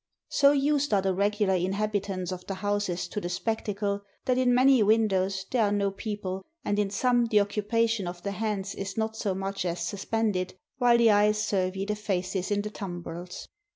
So used are the regular inhabitants of the houses to the spectacle, that in many windows there are no people, and in some the occupation of the hands is not so much as suspended, while the eyes survey the faces in the tumbrels.